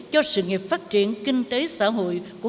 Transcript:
cho sự nghiệp phát triển kinh tế xã hội của việt nam